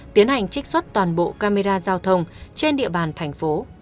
tiến hành trích xuất toàn bộ camera giao thông trên địa bàn thành phố